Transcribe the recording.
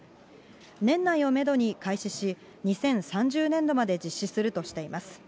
年内をメドに開始し、２０３０年度まで実施するとしています。